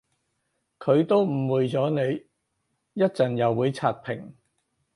佢都誤會咗你，一陣又會刷屏